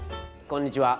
こんにちは。